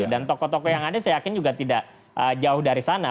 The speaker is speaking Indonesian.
dan tokoh tokoh yang ada saya yakin juga tidak jauh dari sana